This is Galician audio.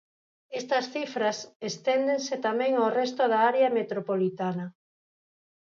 Estas cifras esténdense tamén ao resto da área metropolitana.